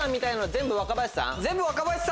全部若林さん。